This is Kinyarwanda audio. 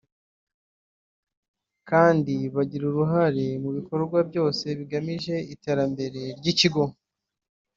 kandi bagira uruhare mu bikorwa byose bigamije iterambere ry’ikigo